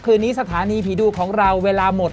คืนนี้สถานีผีดุของเราเวลาหมด